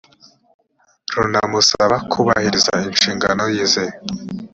runamusaba kubahiriza inshingano ze